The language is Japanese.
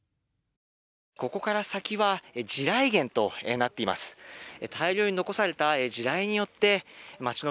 ここから先は地雷原となっています。